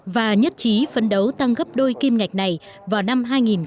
và nhất trí phấn đấu tăng gấp đôi kim ngạch này vào năm hai nghìn hai mươi